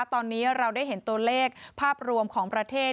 ตอนนี้เราได้เห็นตัวเลขภาพรวมของประเทศ